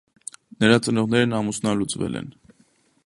Նրա ծնողներն ամուսնալուծվել են։